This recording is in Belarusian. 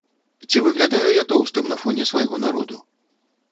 Ці выглядаю я тоўстым на фоне свайго народу?